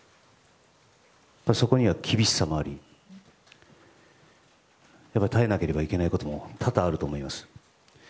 そこには厳しさもあり耐えなければいけないことも多々あると思います。